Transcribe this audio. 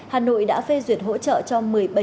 hà nội đã phê duyệt hỗ trợ cho